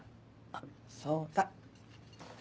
あっそうだ。